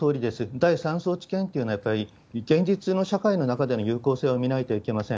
第３層治験というのは、やっぱり現実の社会の中での有効性を見ないといけません。